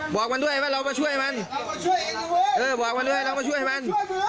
บอกมันด้วยเรามาช่วยมันเออบอกมันด้วยเรามาช่วยมัน